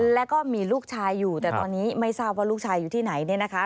แล้วก็มีลูกชายอยู่แต่ตอนนี้ไม่ทราบว่าลูกชายอยู่ที่ไหนเนี่ยนะคะ